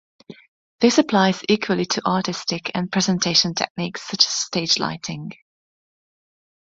This applies equally to artistic and presentation techniques, such as stage lighting.